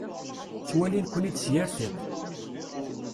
Ttwalin-ken-id s yir tiṭ.